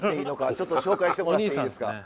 ちょっと紹介してもらっていいですか。